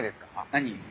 何？